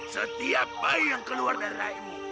setiap bayi yang keluar dari laimu